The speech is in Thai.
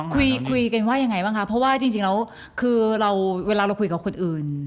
คุยกันว่ายังไงบ้างคะเพราะว่าจริงแล้วคือเราเวลาเราคุยกับคนอื่น